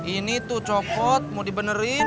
ini tuh copot mau dibenerin